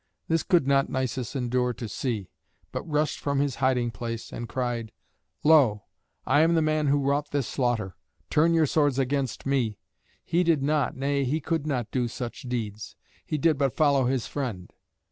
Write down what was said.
This could not Nisus endure to see, but rushed from his hiding place, and cried, "Lo! I am the man who wrought this slaughter. Turn your swords against me. He did not, nay, he could not do such deeds. He did but follow his friend."